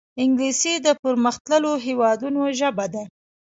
انګلیسي د پرمختللو هېوادونو ژبه ده